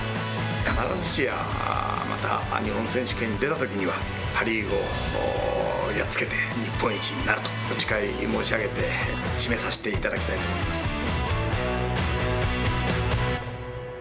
必ずしやまた日本選手権、出たときには、パ・リーグをやっつけて、日本一になるとお誓い申し上げて、締めさせていただきたいと思います。